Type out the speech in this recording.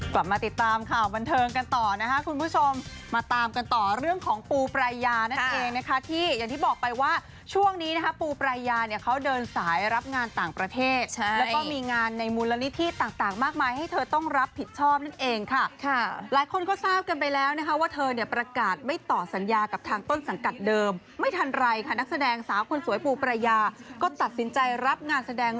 กลับมาติดตามข่าวบันเทิงกันต่อนะคะคุณผู้ชมมาตามกันต่อเรื่องของปูปรายยานั่นเองนะคะที่อย่างที่บอกไปว่าช่วงนี้นะคะปูปรายยาเนี่ยเขาเดินสายรับงานต่างประเทศใช่แล้วก็มีงานในมูลนิธิต่างมากมายให้เธอต้องรับผิดชอบนั่นเองค่ะค่ะหลายคนก็ทราบกันไปแล้วนะคะว่าเธอเนี่ยประกาศไม่ต่อสัญญากับทางต้นสัง